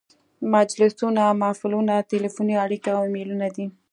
مجلسونه، محفلونه، تلیفوني اړیکې او ایمیلونه دي.